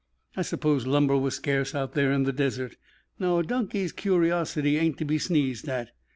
I suppose lumber was scarce out there in the desert. Now, a donkey's curiosity ain't to be sneezed at.